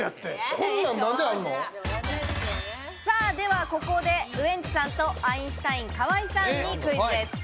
こんなんなんであるの？では、ここでウエンツさんとアインシュタイン・河井さんにクイズです。